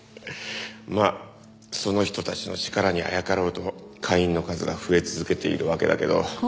まあその人たちの力にあやかろうと会員の数が増え続けているわけだけど。